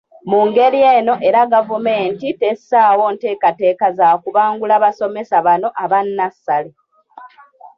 Mu ngeri eno era gavumenti tessaawo nteekateeka za kubangula basomesa bano aba nnassale.